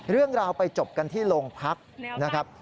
เรื่องราวไปจบกันที่โรงพักนะครับ